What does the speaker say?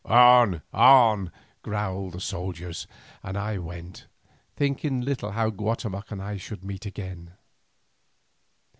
"On, on!" growled the soldiers, and I went, little thinking how Guatemoc and I should meet again.